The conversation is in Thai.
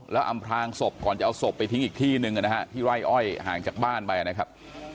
แล้วอำพลางศพก่อนจะเอาศพไปทิ้งอีกที่หนึ่งนะฮะที่ไร่อ้อยห่างจากบ้านไปนะครับ